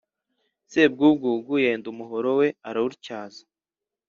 Sebwugugu yenda umuhoro we arawutyaza,